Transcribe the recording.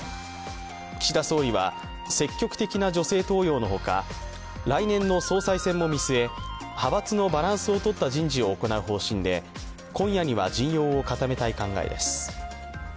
岸田総理は積極的な女性登用のほか、来年の総裁選も見据え派閥のバランスをとった人事を行う方針で、今夜には陣容を固めたい考えです。